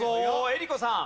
江里子さん。